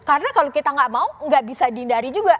karena kalau kita nggak mau nggak bisa dihindari juga